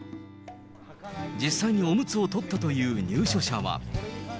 実際におむつを取ったという入所者は。